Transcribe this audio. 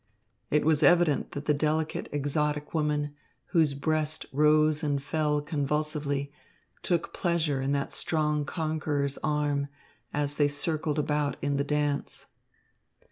It was evident that the delicate, exotic woman, whose breast rose and fell convulsively, took pleasure in that strong conqueror's arm as they circled about in the dance.